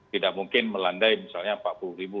tidak mungkin melandai misalnya empat puluh ribu